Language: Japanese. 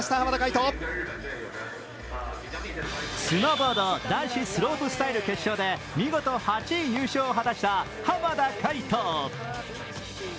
スノーボード男子スロープスタイル決勝で見事８位入賞を果たした濱田海人。